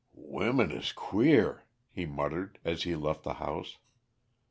"Women is queer," he muttered, as he left the house.